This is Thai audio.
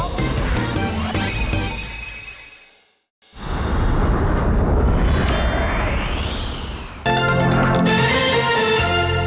โปรดติดตามตอนต่อไป